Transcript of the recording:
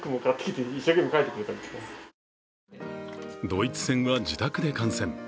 ドイツ戦は自宅で観戦。